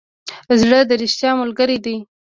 زړه د ریښتیا ملګری دی.